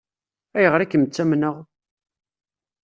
Ayɣer i kem-ttamneɣ?